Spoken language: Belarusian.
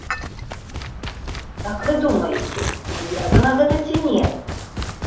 Як вы думаеце, звязана гэта ці не?